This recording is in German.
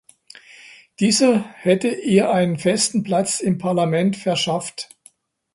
Dieser hätte ihr einen festen Platz im Parlament verschafft.